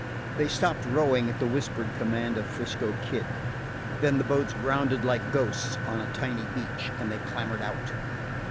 He stopped rowing at the whispered command of 'Frisco Kid. Then the boats grounded like ghosts on a tiny beach, and they clambered out.